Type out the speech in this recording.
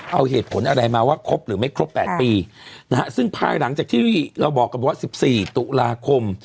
เอาเหตุผลอะไรมาว่าครบหรือไม่ครบ๘ปีนะฮะซึ่งภายหลังจากที่เราบอกกันว่า๑๔ตุลาคม